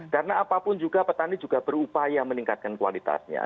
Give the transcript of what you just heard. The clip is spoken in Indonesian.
karena apapun juga petani juga berupaya meningkatkan kualitasnya